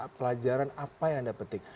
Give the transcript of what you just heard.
pelajaran apa yang anda petik